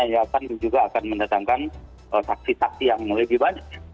yang akan juga akan mendatangkan saksi saksi yang lebih banyak